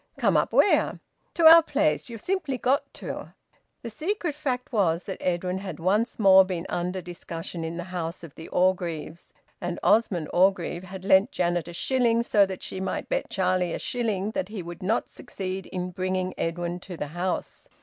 "Come up where?" "To our place. You've simply got to." The secret fact was that Edwin had once more been under discussion in the house of the Orgreaves. And Osmond Orgreave had lent Janet a shilling so that she might bet Charlie a shilling that he would not succeed in bringing Edwin to the house.